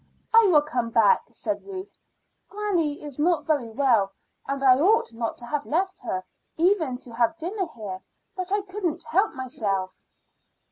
"I will come back," said Ruth. "Granny is not very well, and I ought not to have left her, even to have dinner here; but I couldn't help myself."